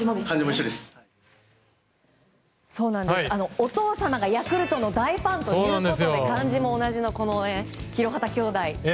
お父様がヤクルトの大ファンということで漢字も同じの廣畑兄弟。